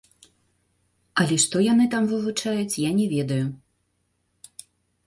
Але што яны там вывучаюць, я не ведаю.